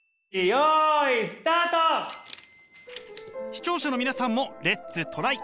視聴者の皆さんもレッツトライ！